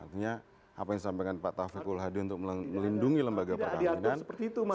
artinya apa yang disampaikan pak taufik kulhadi untuk melindungi lembaga perkawinan